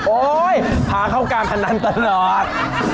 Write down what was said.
โอ๊ยพาเข้ากลางทางนั้นตลอด